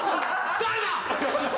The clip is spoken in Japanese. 誰だ？